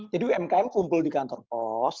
jadi umkm kumpul di kantor pos